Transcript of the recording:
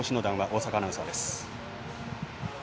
大坂アナウンサーです。